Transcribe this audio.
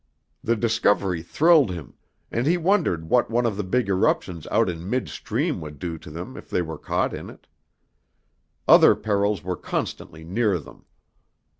The discovery thrilled him, and he wondered what one of the big eruptions out in mid stream would do to them if they were caught in it. Other perils were constantly near them.